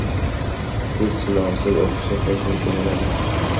Test sinovisiz o‘qishga kirish mumkin bo‘ladi